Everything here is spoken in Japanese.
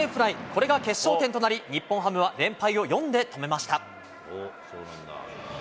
これが決勝点となり、日本ハムは連敗を４で止めました。